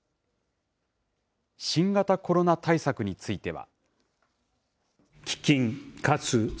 新型コロナ対策については。